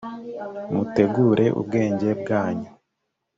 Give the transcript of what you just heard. mutegure ubwenge bwanyu